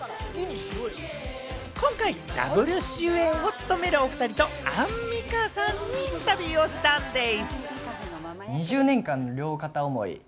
今回、Ｗ主演を務めるお２人と、アンミカさんにインタビューをしたんでぃす！